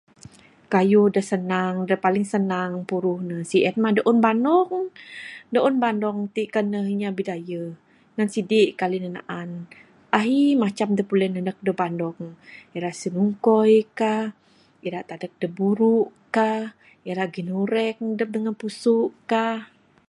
Kayuh da sanang, da paling sanang puruh ne sien mah du'un bandong, du'un bandong ti kan ne inya bidayeh, nang sidi kali ne naan. Ahi macam dep nanek daun bandong. Ira sinungkoi kah, ira tanek da buruk kah, ira ginureng dep dengan pusu kah.